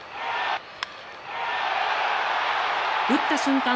打った瞬間